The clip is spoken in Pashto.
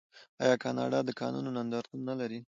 آیا کاناډا د کانونو نندارتون نلري؟